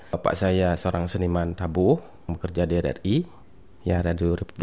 bapak saya seorang seniman tabuh bekerja di rri